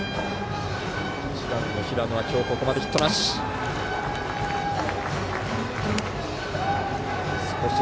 １番の平野は今日ここまでヒットなし。